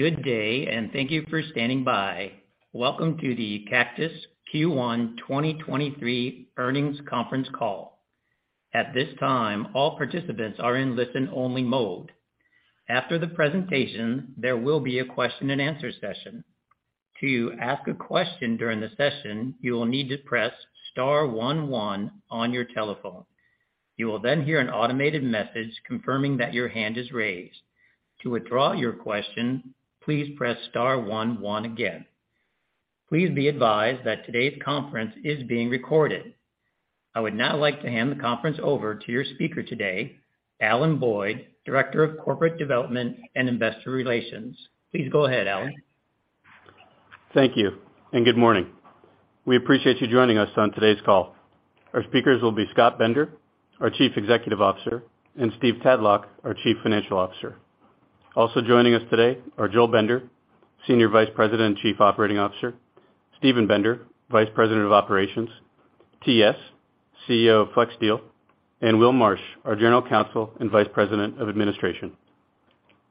Good day, and thank you for standing by. Welcome to the Cactus Q1 2023 Earnings Conference Call. At this time, all participants are in listen-only mode. After the presentation, there will be a question-and-answer session. To ask a question during the session, you will need to press star one one on your telephone. You will then hear an automated message confirming that your hand is raised. To withdraw your question, please press star one one again. Please be advised that today's conference is being recorded. I would now like to hand the conference over to your speaker today, Alan Boyd, Director of Corporate Development and Investor Relations. Please go ahead, Alan. Thank you and good morning. We appreciate you joining us on today's call. Our speakers will be Scott Bender, our Chief Executive Officer, and Stephen Tadlock, our Chief Financial Officer. Also joining us today are Joel Bender, Senior Vice President and Chief Operating Officer, Steven Bender, Vice President of Operations, TS, CEO of FlexSteel, and Will Marsh, our General Counsel and Vice President of Administration.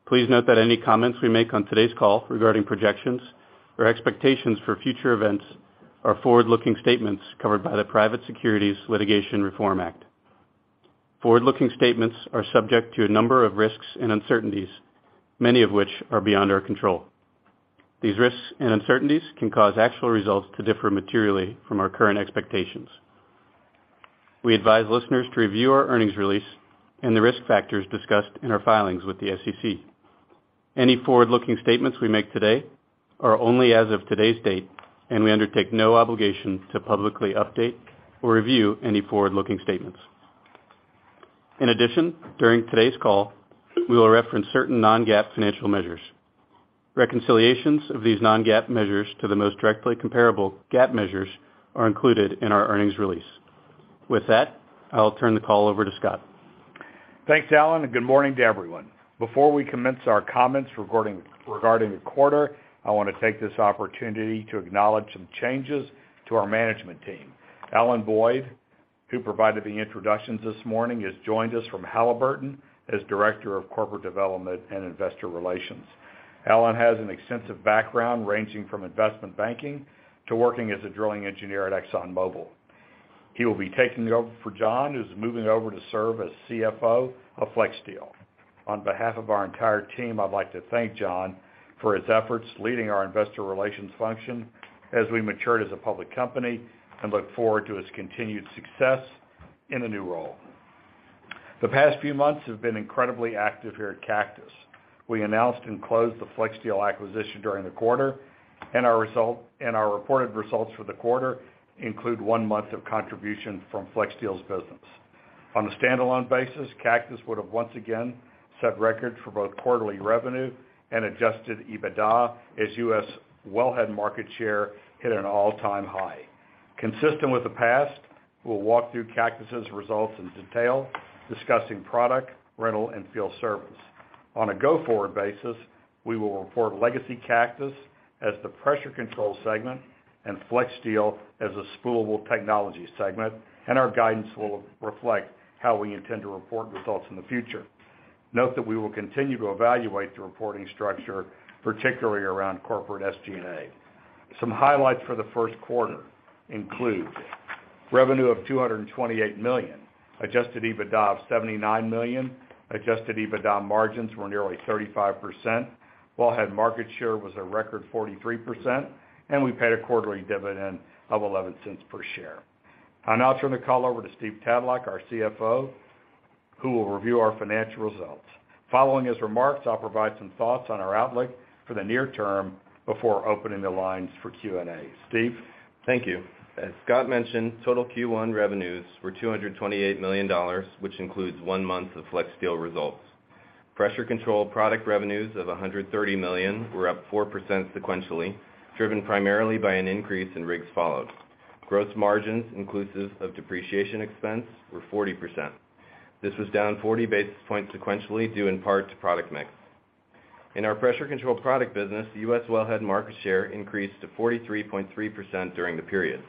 Please note that any comments we make on today's call regarding projections or expectations for future events are forward-looking statements covered by the Private Securities Litigation Reform Act. Forward-looking statements are subject to a number of risks and uncertainties, many of which are beyond our control. These risks and uncertainties can cause actual results to differ materially from our current expectations. We advise listeners to review our earnings release and the risk factors discussed in our filings with the SEC. Any forward-looking statements we make today are only as of today's date, and we undertake no obligation to publicly update or review any forward-looking statements. In addition, during today's call, we will reference certain non-GAAP financial measures. Reconciliations of these non-GAAP measures to the most directly comparable GAAP measures are included in our earnings release. With that, I'll turn the call over to Scott. Thanks, Alan. Good morning to everyone. Before we commence our comments regarding the quarter, I wanna take this opportunity to acknowledge some changes to our management team. Alan Boyd, who provided the introductions this morning, has joined us from Halliburton as Director of Corporate Development and Investor Relations. Alan has an extensive background ranging from investment banking to working as a drilling engineer at ExxonMobil. He will be taking over for John, who's moving over to serve as CFO of FlexSteel. On behalf of our entire team, I'd like to thank John for his efforts leading our investor relations function as we matured as a public company and look forward to his continued success in the new role. The past few months have been incredibly active here at Cactus. We announced and closed the FlexSteel acquisition during the quarter, our reported results for the quarter include one month of contribution from FlexSteel's business. On a standalone basis, Cactus would have once again set records for both quarterly revenue and Adjusted EBITDA as U.S. wellhead market share hit an all-time high. Consistent with the past, we'll walk through Cactus' results in detail, discussing product, rental, and field service. On a go-forward basis, we will report legacy Cactus as the Pressure Control segment and FlexSteel as a Spoolable Technologies segment, our guidance will reflect how we intend to report results in the future. Note that we will continue to evaluate the reporting structure, particularly around corporate SG&A. Some highlights for the first quarter include revenue of $228 million, Adjusted EBITDA of $79 million, Adjusted EBITDA margins were nearly 35%, wellhead market share was a record 43%. We paid a quarterly dividend of $0.11 per share. I'll now turn the call over to Stephen Tadlock, our CFO, who will review our financial results. Following his remarks, I'll provide some thoughts on our outlook for the near term before opening the lines for Q&A. Steve? Thank you. As Scott mentioned, total Q1 revenues were $228 million, which includes one month of FlexSteel results. Pressure Control product revenues of $130 million were up 4% sequentially, driven primarily by an increase in rigs followed. Gross margins inclusive of depreciation expense were 40%. This was down 40 basis points sequentially due in part to product mix. In our Pressure Control product business, U.S. wellhead market share increased to 43.3% during the period.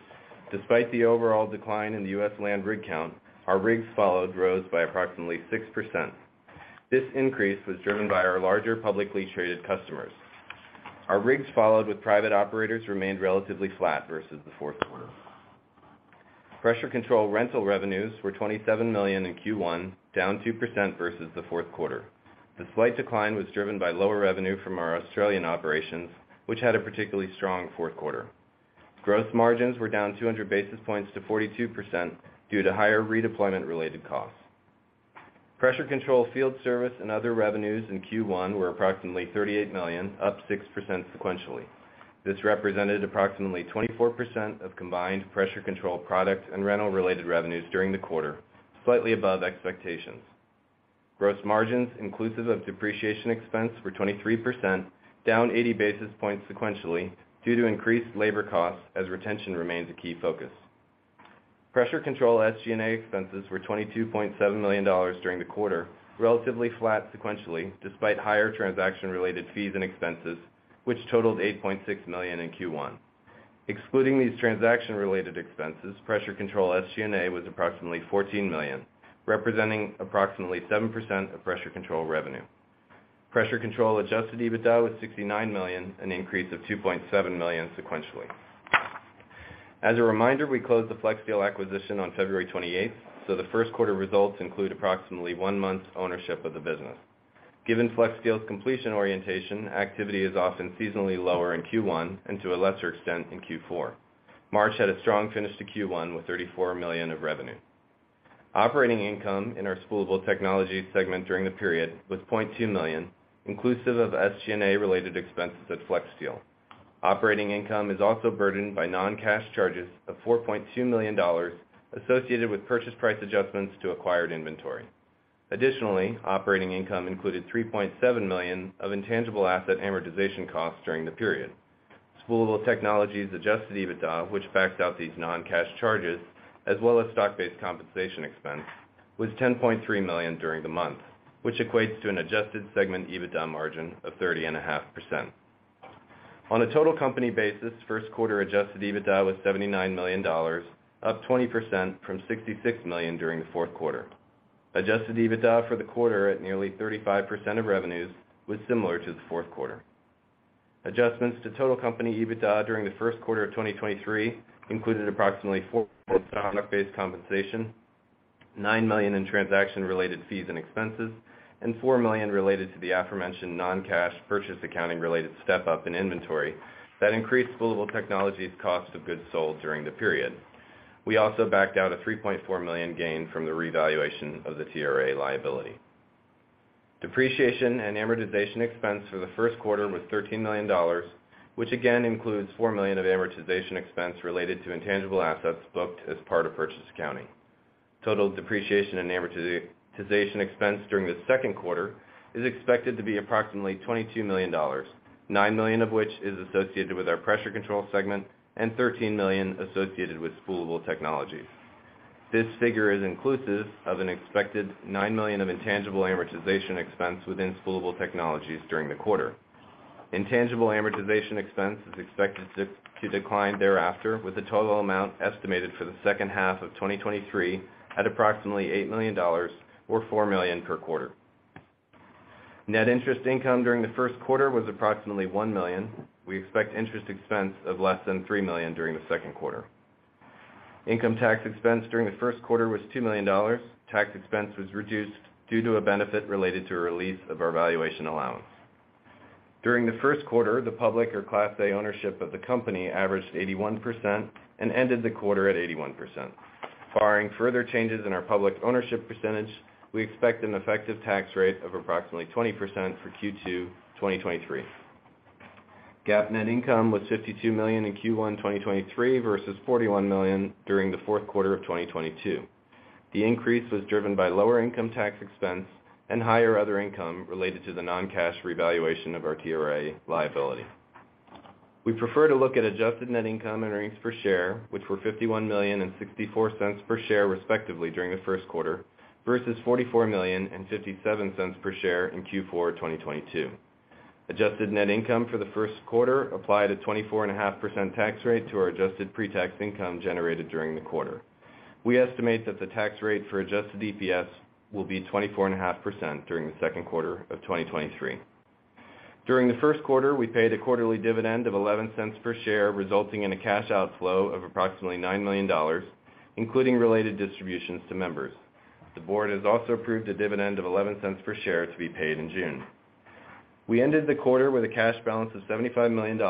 Despite the overall decline in the U.S. land rig count, our rigs followed rose by approximately 6%. This increase was driven by our larger publicly traded customers. Our rigs followed with private operators remained relatively flat versus the fourth quarter. Pressure Control rental revenues were $27 million in Q1, down 2% versus the fourth quarter. The slight decline was driven by lower revenue from our Australian operations, which had a particularly strong fourth quarter. Gross margins were down 200 basis points to 42% due to higher redeployment-related costs. Pressure Control field service and other revenues in Q1 were approximately $38 million, up 6% sequentially. This represented approximately 24% of combined Pressure Control product and rental-related revenues during the quarter, slightly above expectations. Gross margins inclusive of depreciation expense were 23%, down 80 basis points sequentially due to increased labor costs as retention remains a key focus. Pressure Control SG&A expenses were $22.7 million during the quarter, relatively flat sequentially despite higher transaction-related fees and expenses, which totaled $8.6 million in Q1. Excluding these transaction-related expenses, Pressure Control SG&A was approximately $14 million, representing approximately 7% of Pressure Control revenue. Pressure Control Adjusted EBITDA was $69 million, an increase of $2.7 million sequentially. As a reminder, we closed the FlexSteel acquisition on February 28th, so the first quarter results include approximately 1 month's ownership of the business. Given FlexSteel's completion orientation, activity is often seasonally lower in Q1 and to a lesser extent in Q4. March had a strong finish to Q1 with $34 million of revenue. Operating income in our Spoolable Technologies segment during the period was $0.2 million, inclusive of SG&A-related expenses at FlexSteel. Operating income is also burdened by non-cash charges of $4.2 million associated with purchase price adjustments to acquired inventory. Operating income included $3.7 million of intangible asset amortization costs during the period. Spoolable Technologies Adjusted EBITDA, which backed out these non-cash charges as well as stock-based compensation expense, was $10.3 million during the month, which equates to an adjusted segment EBITDA margin of 30.5%. On a total company basis, first quarter Adjusted EBITDA was $79 million, up 20% from $66 million during the fourth quarter. Adjusted EBITDA for the quarter at nearly 35% of revenues was similar to the fourth quarter. Adjustments to total company EBITDA during the first quarter of 2023 included approximately four product-based compensation, $9 million in transaction-related fees and expenses, and $4 million related to the aforementioned non-cash purchase accounting-related step-up in inventory that increased Spoolable Technologies' cost of goods sold during the period. We also backed out a $3.4 million gain from the revaluation of the TRA liability. Depreciation and amortization expense for the first quarter was $13 million, which again includes $4 million of amortization expense related to intangible assets booked as part of purchase accounting. Total depreciation and amortization expense during the second quarter is expected to be approximately $22 million, $9 million of which is associated with our Pressure Control segment and $13 million associated with Spoolable Technologies. This figure is inclusive of an expected $9 million of intangible amortization expense within Spoolable Technologies during the quarter. Intangible amortization expense is expected to decline thereafter, with the total amount estimated for the second half of 2023 at approximately $8 million or $4 million per quarter. Net interest income during the first quarter was approximately $1 million. We expect interest expense of less than $3 million during the second quarter. Income tax expense during the first quarter was $2 million. Tax expense was reduced due to a benefit related to a release of our valuation allowance. During the first quarter, the public or Class A ownership of the company averaged 81% and ended the quarter at 81%. Barring further changes in our public ownership percentage, we expect an effective tax rate of approximately 20% for Q2 2023. GAAP net income was $52 million in Q1 2023 versus $41 million during the fourth quarter of 2022. The increase was driven by lower income tax expense and higher other income related to the non-cash revaluation of our TRA liability. We prefer to look at adjusted net income and earnings per share, which were $51 million and $0.64 per share respectively during the first quarter, versus $44 million and $0.57 per share in Q4 2022. Adjusted net income for the first quarter applied a 24.5% tax rate to our adjusted pre-tax income generated during the quarter. We estimate that the tax rate for adjusted EPS will be 24.5% during the second quarter of 2023. During the first quarter, we paid a quarterly dividend of $0.11 per share, resulting in a cash outflow of approximately $9 million, including related distributions to members. The board has also approved a dividend of $0.11 per share to be paid in June. We ended the quarter with a cash balance of $75 million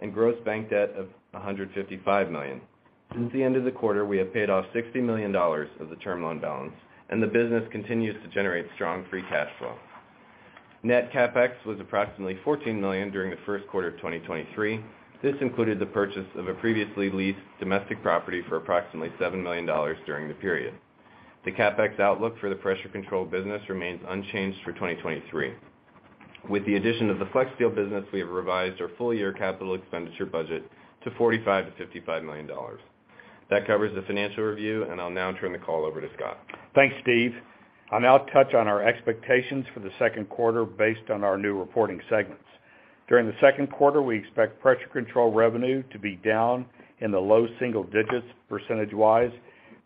and gross bank debt of $155 million. Since the end of the quarter, we have paid off $60 million of the term loan balance, and the business continues to generate strong free cash flow. Net CapEx was approximately $14 million during the first quarter of 2023. This included the purchase of a previously leased domestic property for approximately $7 million during the period. The CapEx outlook for the Pressure Control business remains unchanged for 2023. With the addition of the FlexSteel business, we have revised our full year capital expenditure budget to $45 million-$55 million. That covers the financial review. I'll now turn the call over to Scott. Thanks, Steve. I'll now touch on our expectations for the second quarter based on our new reporting segments. During the second quarter, we expect Pressure Control revenue to be down in the low single digits percentage wise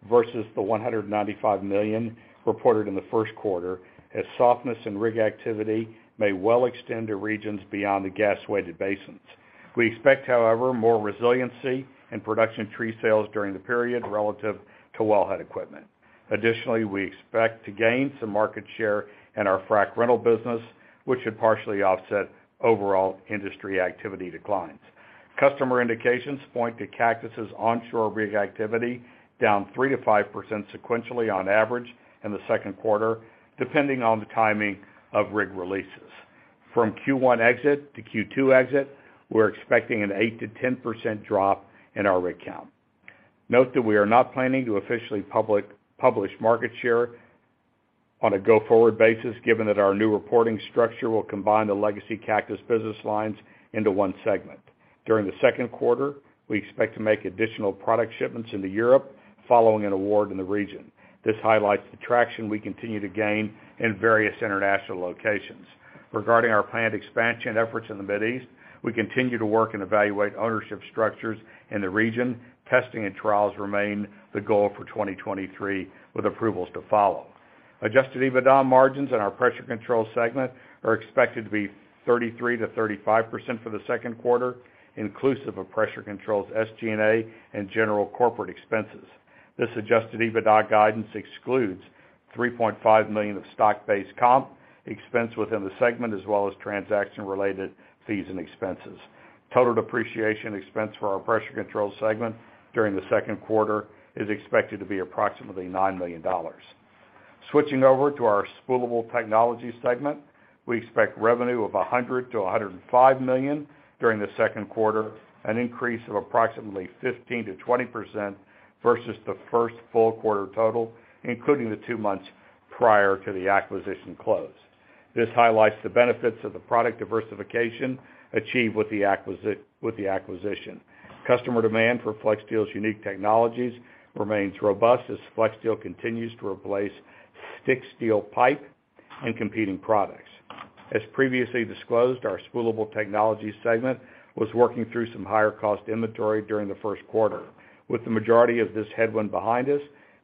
versus the $195 million reported in the first quarter, as softness in rig activity may well extend to regions beyond the gas-weighted basins. We expect, however, more resiliency in production tree sales during the period relative to wellhead equipment. Additionally, we expect to gain some market share in our frack rental business, which should partially offset overall industry activity declines. Customer indications point to Cactus' onshore rig activity down 3%-5% sequentially on average in the second quarter, depending on the timing of rig releases. From Q1 exit to Q2 exit, we're expecting an 8%-10% drop in our rig count. Note that we are not planning to officially publish market share on a go-forward basis given that our new reporting structure will combine the legacy Cactus business lines into one segment. During the second quarter, we expect to make additional product shipments into Europe following an award in the region. This highlights the traction we continue to gain in various international locations. Regarding our planned expansion efforts in the Mid East, we continue to work and evaluate ownership structures in the region. Testing and trials remain the goal for 2023, with approvals to follow. Adjusted EBITDA margins in our Pressure Control segment are expected to be 33%-35% for the second quarter, inclusive of Pressure Control's SG&A and general corporate expenses. This Adjusted EBITDA guidance excludes $3.5 million of stock-based comp expense within the segment, as well as transaction-related fees and expenses. Total depreciation expense for our Pressure Control segment during the second quarter is expected to be approximately $9 million. Switching over to our Spoolable Technologies segment, we expect revenue of $100 million-$105 million during the second quarter, an increase of approximately 15%-20% versus the first full quarter total, including the two months prior to the acquisition close. This highlights the benefits of the product diversification achieved with the acquisition. Customer demand for FlexSteel's unique technologies remains robust as FlexSteel continues to replace stick steel pipe and competing products. As previously disclosed, our Spoolable Technologies segment was working through some higher cost inventory during the first quarter. With the majority of this headwind behind us,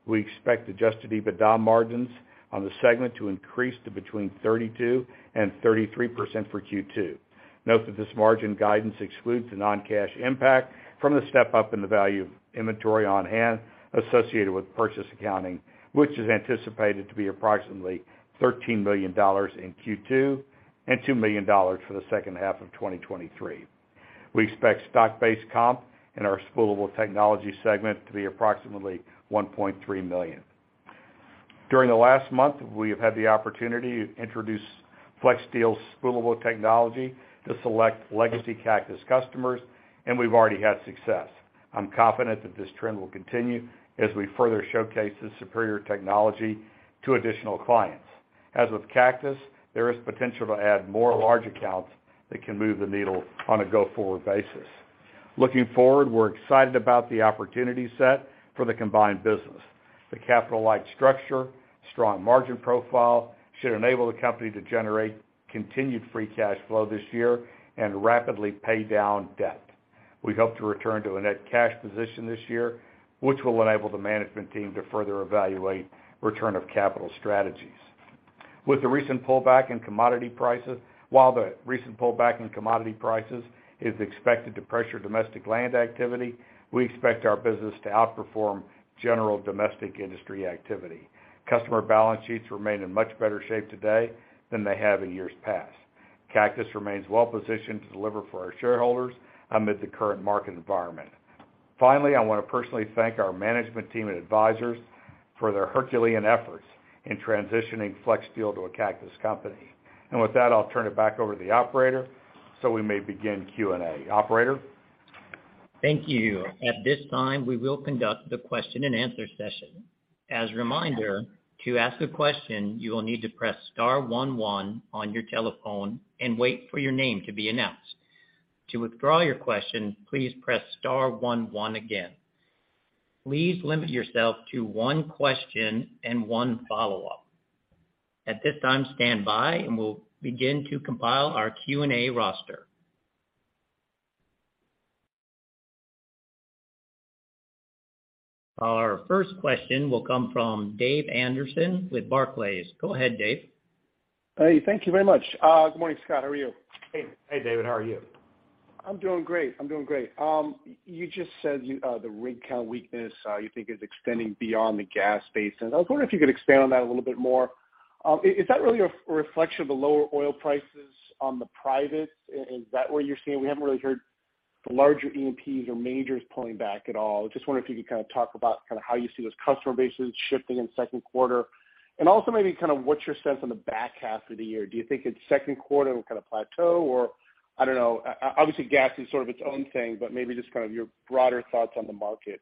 we expect adjusted EBITDA margins on the segment to increase to between 32% and 33% for Q2. Note that this margin guidance excludes the non-cash impact from the step up in the value of inventory on hand associated with purchase accounting, which is anticipated to be approximately $13 million in Q2 and $2 million for the second half of 2023. We expect stock-based comp in our Spoolable Technologies segment to be approximately $1.3 million. During the last month, we have had the opportunity to introduce FlexSteel's Spoolable Technologies to select legacy Cactus customers. We've already had success. I'm confident that this trend will continue as we further showcase this superior technology to additional clients. As with Cactus, there is potential to add more large accounts that can move the needle on a go-forward basis. Looking forward, we're excited about the opportunity set for the combined business. The capital light structure, strong margin profile should enable the company to generate continued free cash flow this year and rapidly pay down debt. We hope to return to a net cash position this year, which will enable the management team to further evaluate return of capital strategies. While the recent pullback in commodity prices is expected to pressure domestic land activity, we expect our business to outperform general domestic industry activity. Customer balance sheets remain in much better shape today than they have in years past. Cactus remains well positioned to deliver for our shareholders amid the current market environment. Finally, I wanna personally thank our management team and advisors for their Herculean efforts in transitioning FlexSteel to a Cactus company. With that, I'll turn it back over to the operator so we may begin Q&A. Operator? Thank you. At this time, we will conduct the question and answer session. As a reminder, to ask a question, you will need to press star 1one1on your telephone and wait for your name to be announced. To withdraw your question, please press star one one again. Please limit yourself to one question and followinge-up. At this time, stand by and we'll begin to compile our Q&A roster. Our first question will come from Dave Anderson with Barclays. Go ahead, Dave. Hey, thank you very much. Good morning, Scott. How are you? Hey. Hey, David. How are you? I'm doing great. I'm doing great. You just said you the rig count weakness you think is extending beyond the gas space, and I was wondering if you could expand on that a little bit more. Is that really a reflection of the lower oil prices on the privates? Is that what you're seeing? We haven't really heard the larger E&Ps or majors pulling back at all. Just wondering if you could kinda talk about kinda how you see those customer bases shifting in second quarter. Also maybe kind of what's your sense on the back half of the year. Do you think its second quarter will kind of plateau or, I don't know, obviously gas is sort of its own thing, but maybe just kind of your broader thoughts on the market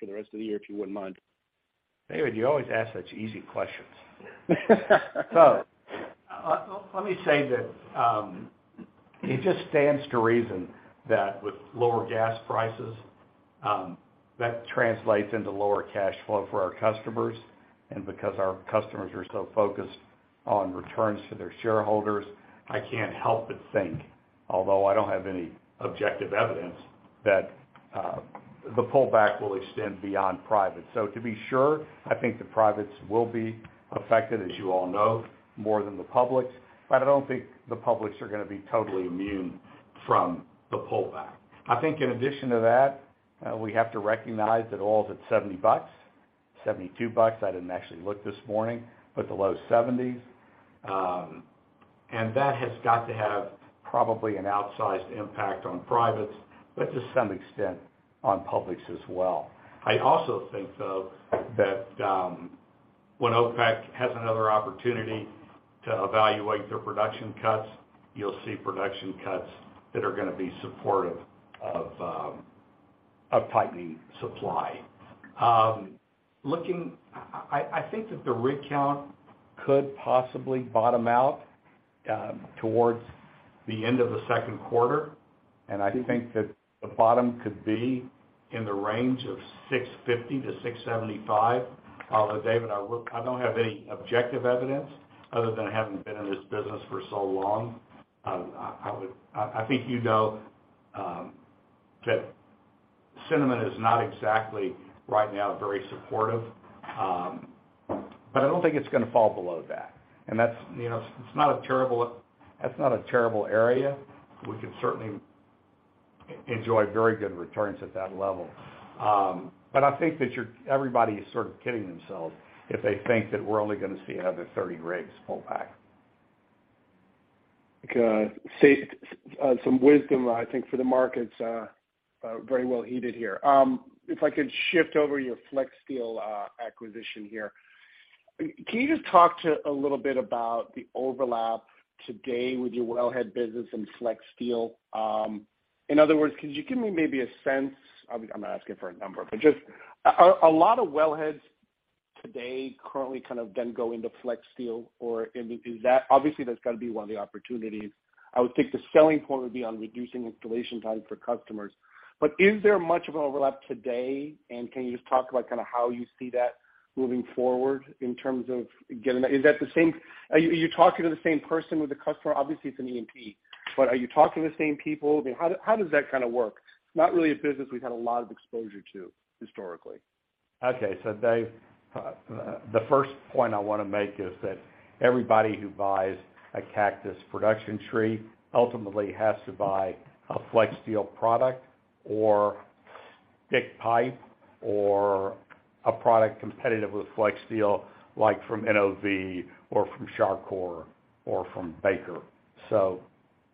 for the rest of the year, if you wouldn't mind. David, you always ask such easy questions. Let me say that it just stands to reason that with lower gas prices, that translates into lower cash flow for our customers. Because our customers are so focused on returns to their shareholders, I can't help but think, although I don't have any objective evidence, that the pullback will extend beyond private. To be sure, I think the privates will be affected, as you all know, more than the public, but I don't think the publics are gonna be totally immune from the pullback. I think in addition to that, we have to recognize that oil's at $70, $72. I didn't actually look this morning, but the low 70s. That has got to have probably an outsized impact on privates, but to some extent on publics as well. I also think, though, that, when OPEC has another opportunity to evaluate their production cuts, you'll see production cuts that are gonna be supportive of tightening supply. I think that the rig count could possibly bottom out towards the end of the second quarter, and I think that the bottom could be in the range of 650-675. Although, David, I don't have any objective evidence other than having been in this business for so long. I think you know, that sentiment is not exactly right now very supportive. I don't think it's gonna fall below that. That's, you know, it's not a terrible area. We could certainly enjoy very good returns at that level. I think that everybody is sort of kidding themselves if they think that we're only gonna see another 30 rigs full back. Okay. Some wisdom, I think, for the markets, very well heeded here. If I could shift over to your FlexSteel acquisition here. Can you just talk to a little bit about the overlap today with your wellhead business and FlexSteel? In other words, could you give me maybe a sense, I mean, I'm not asking for a number, but just are a lot of wellheads today currently kind of then go into FlexSteel? Or is that? Obviously that's gotta be one of the opportunities. I would think the selling point would be on reducing installation time for customers. Is there much of an overlap today, and can you just talk about kinda how you see that moving forward in terms of getting that? Are you talking to the same person with the customer? Obviously, it's an E&P. Are you talking to the same people? I mean, how does that kinda work? Not really a business we've had a lot of exposure to historically. Okay. Dave, the first point I wanna make is that everybody who buys a Cactus production tree ultimately has to buy a FlexSteel product or stick pipe or a product competitive with FlexSteel, like from NOV or from Shawcor or from Baker.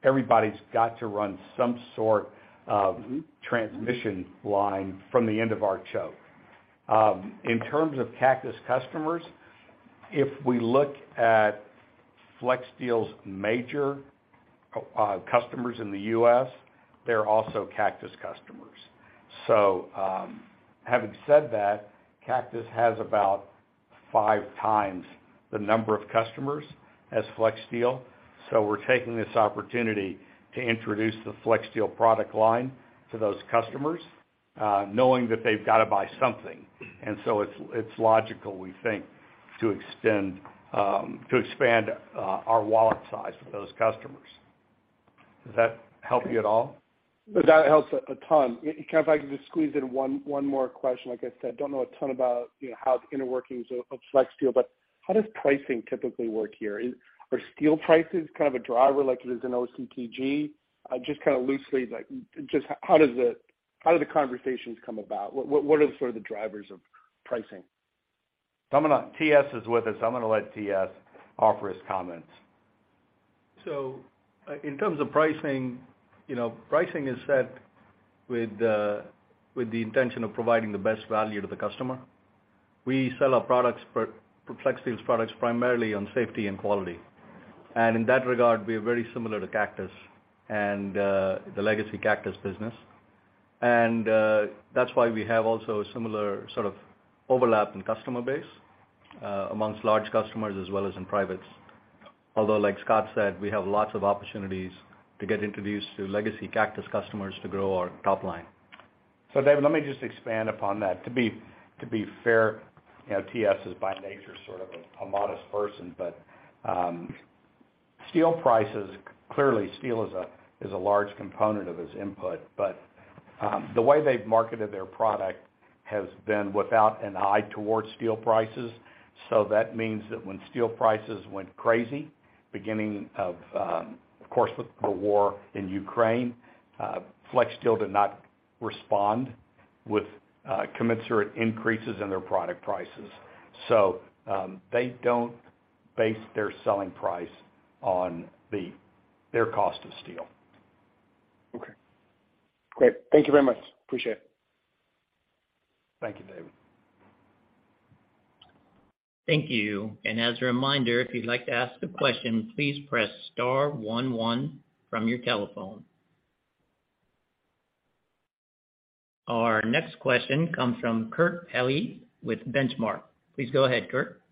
Everybody's got to run some sort of. Mm-hmm... transmission line from the end of our choke. In terms of Cactus customers, if we look at FlexSteel's major customers in the U.S., they're also Cactus customers. Having said that, Cactus has about five times the number of customers as FlexSteel. We're taking this opportunity to introduce the FlexSteel product line to those customers, knowing that they've gotta buy something. It's, it's logical, we think, to extend, to expand, our wallet size for those customers. Does that help you at all? That helps a ton. If I can just squeeze in one more question. Like I said, don't know a ton about, you know, how the inner workings of FlexSteel, but how does pricing typically work here? Are steel prices kind of a driver like it is in OCTG? Just kinda loosely, like just how do the conversations come about? What are sort of the drivers of pricing? TS is with us. I'm gonna let TS offer his comments. In terms of pricing, you know, pricing is set with the intention of providing the best value to the customer. We sell our products for FlexSteel's products primarily on safety and quality. In that regard, we are very similar to Cactus and the legacy Cactus business. That's why we have also a similar sort of overlap in customer base amongst large customers as well as in privates. Although, like Scott said, we have lots of opportunities to get introduced to legacy Cactus customers to grow our top line. David, let me just expand upon that. To be fair, you know, TS is by nature sort of a modest person, steel prices, clearly steel is a large component of his input. The way they've marketed their product has been without an eye towards steel prices. That means that when steel prices went crazy, beginning of course, with the war in Ukraine, FlexSteel did not respond with commensurate increases in their product prices. They don't base their selling price on their cost of steel. Okay. Great. Thank you very much. Appreciate it. Thank you, David. Thank you. As a reminder, if you'd like to ask a question, please press star one one from your telephone. Our next question comes from Kurt Hallead with Benchmark. Please go ahead, Kurt.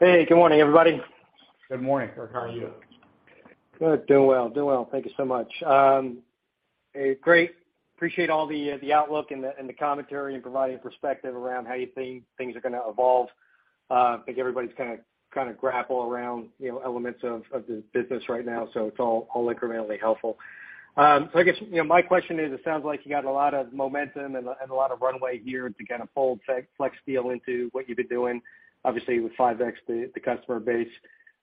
Hey, good morning, everybody. Good morning, Kurt. How are you? Good. Doing well, doing well. Thank you so much. Hey, great. Appreciate all the outlook and the commentary and providing perspective around how you think things are gonna evolve. I think everybody's kinda grapple around, you know, elements of the business right now, so it's all incrementally helpful. I guess, you know, my question is, it sounds like you got a lot of momentum and a lot of runway here to kinda fold FlexSteel into what you've been doing, obviously, with 5x the customer base.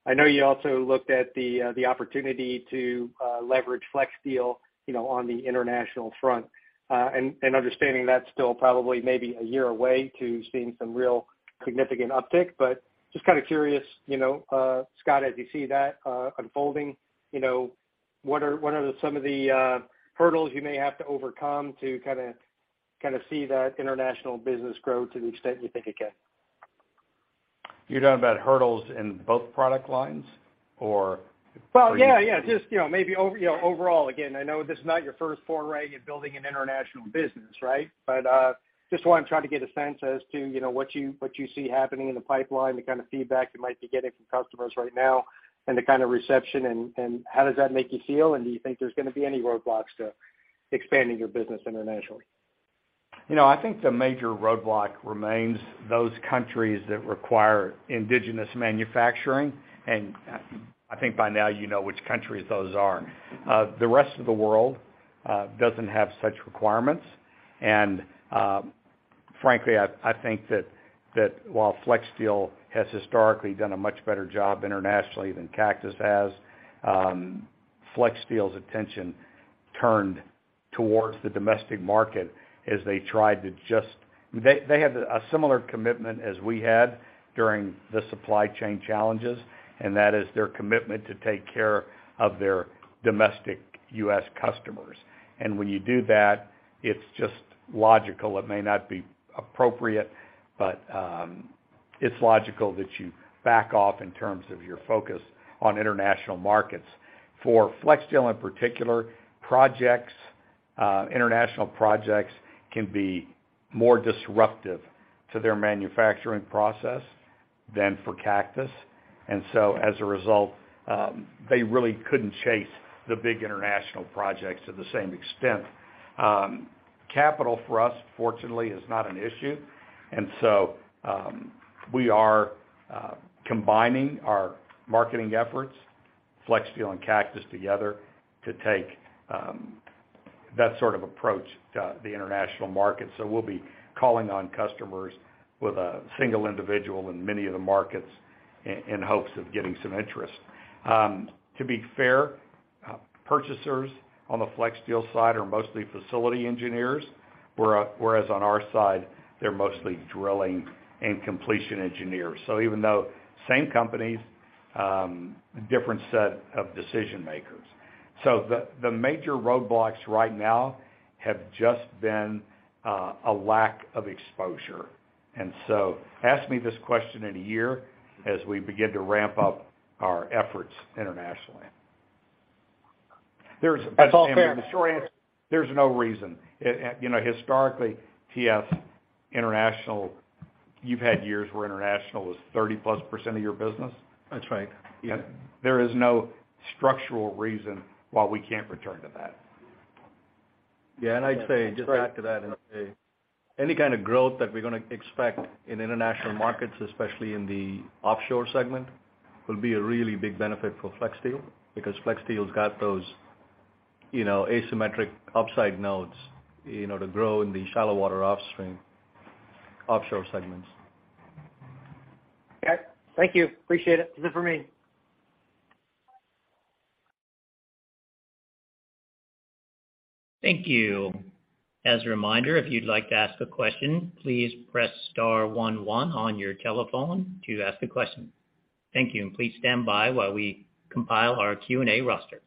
I know you also looked at the opportunity to leverage FlexSteel, you know, on the international front. Understanding that's still probably maybe a year away to seeing some real significant uptick. Just kinda curious, you know, Scott, as you see that unfolding, you know, what are some of the hurdles you may have to overcome to kinda see that international business grow to the extent you think it can? You're talking about hurdles in both product lines or-? Yeah. Just, you know, maybe over, you know, overall. Again, I know this is not your first foray in building an international business, right? Just wanna try to get a sense as to, you know, what you, what you see happening in the pipeline, the kind of feedback you might be getting from customers right now and the kind of reception and how does that make you feel, and do you think there's gonna be any roadblocks to expanding your business internationally? You know, I think the major roadblock remains those countries that require indigenous manufacturing. I think by now you know which countries those are. The rest of the world doesn't have such requirements. Frankly, I think that while FlexSteel has historically done a much better job internationally than Cactus has, FlexSteel's attention turned towards the domestic market as they tried to. They had a similar commitment as we had during the supply chain challenges, and that is their commitment to take care of their domestic U.S. customers. When you do that, it's just logical. It may not be appropriate, but it's logical that you back off in terms of your focus on international markets. For FlexSteel, in particular, projects, international projects can be more disruptive to their manufacturing process than for Cactus. As a result, they really couldn't chase the big international projects to the same extent. Capital for us, fortunately, is not an issue. We are combining our marketing efforts, FlexSteel and Cactus together, to take that sort of approach to the international market. We'll be calling on customers with a single individual in many of the markets in hopes of getting some interest. To be fair, purchasers on the FlexSteel side are mostly facility engineers, whereas on our side, they're mostly drilling and completion engineers. Even though same companies, different set of decision-makers. The major roadblocks right now have just been a lack of exposure. Ask me this question in a year as we begin to ramp up our efforts internationally. There's- That's all fair. The short answer, there's no reason. You know, historically, TS international, you've had years where international was 30%+ of your business. That's right. Yeah. There is no structural reason why we can't return to that. I'd say just to add to that and say any kind of growth that we're gonna expect in international markets, especially in the offshore segment, will be a really big benefit for FlexSteel because FlexSteel's got those, you know, asymmetric upside nodes, you know, to grow in the shallow water offshore segments. Okay. Thank you. Appreciate it. That's it for me. Thank you. As a reminder, if you'd like to ask a question, please press star one one on your telephone to ask a question. Thank you. Please stand by while we compile our Q&A roster.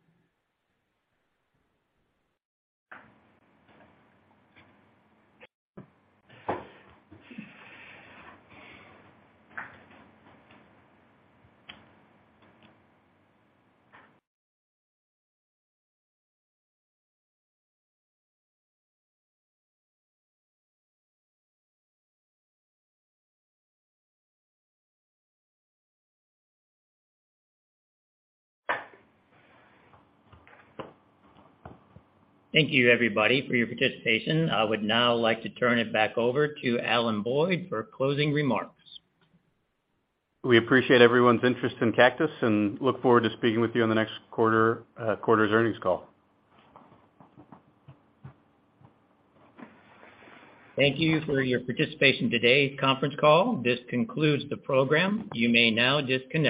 Thank you, everybody, for your participation. I would now like to turn it back over to Alan Boyd for closing remarks. We appreciate everyone's interest in Cactus and look forward to speaking with you on the next quarter's earnings call. Thank you for your participation in today's conference call. This concludes the program. You may now disconnect.